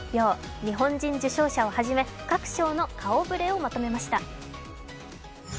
日本人受賞者をはじめ各賞の顔ぶれをまとめました。